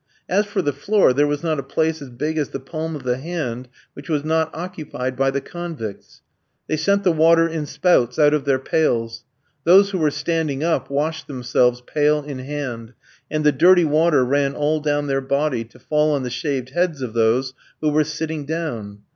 As for the floor there was not a place as big as the palm of the hand which was not occupied by the convicts. They sent the water in spouts out of their pails. Those who were standing up washed themselves pail in hand, and the dirty water ran all down their body to fall on the shaved heads of those who were sitting down.